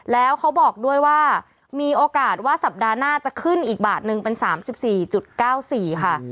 แล้วเขาบอกด้วยว่ามีโอกาสว่าสัปดาห์หน้าจะขึ้นอีกบาทนึงเป็น๓๔๙๔ค่ะ